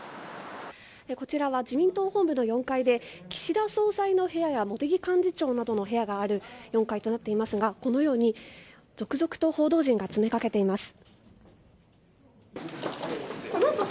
こちらは自民党本部の４階で岸田総裁の部屋や茂木幹事長の部屋がある４階となっていますがこのように続々と報道陣が詰めかけています。